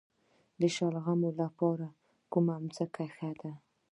د شلغمو لپاره کومه ځمکه ښه ده؟